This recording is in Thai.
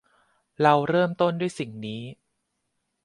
เราเริ่มต้นด้วยสิ่งนี้